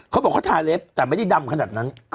เขาบอกเขาทาเล็บแต่ไม่ได้ดำขนาดนั้น